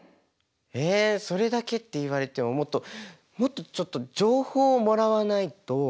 えっそれだけって言われてももっとちょっと情報をもらわないと。